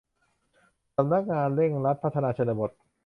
สำนักงานเร่งรัดพัฒนาชนบท